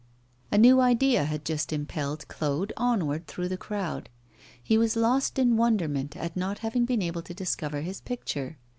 A new idea had just impelled Claude onward through the crowd. He was lost in wonderment at not having been able to discover his picture.